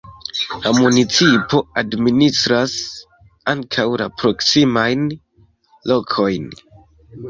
La municipo administras ankaŭ la proksimajn lokojn.